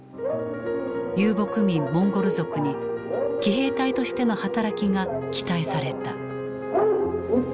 遊牧民モンゴル族に騎兵隊としての働きが期待された。